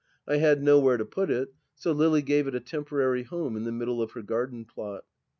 I had nowhere to put it, so Lily gave it a temporary home in the middle of her garden plot.